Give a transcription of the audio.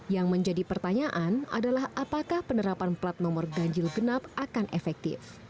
yang menjadi pertanyaan adalah apakah penerapan plat nomor ganjil genap akan efektif